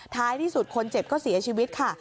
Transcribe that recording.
ท้ายที่สุดคนเจ็บก็เสียชีวิตค่ะ